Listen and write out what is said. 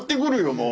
もう。